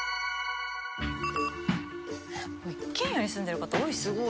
一軒家に住んでる方多いですよね。